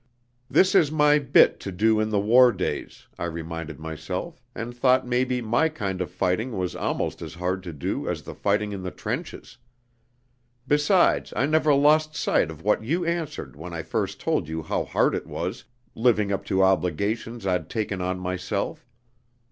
"'This is my "bit" to do in the war days,' I reminded myself, and thought maybe my kind of fighting was almost as hard to do as the fighting in the trenches. Besides, I never lost sight of what you answered when I first told you how hard it was, living up to obligations I'd taken on myself.